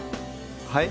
はい？